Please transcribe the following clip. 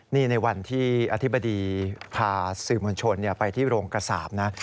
นี่ในวันที่อธิบดีพาสื่อมวลชนไปที่โรงกระสาปนะ